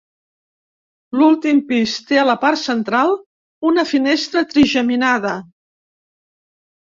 L'últim pis té a la part central una finestra trigeminada.